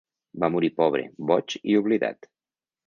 Va morir pobre, boig i oblidat.